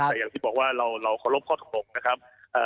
แต่อย่างที่บอกว่าเราเคารพข้อ๖นะครับ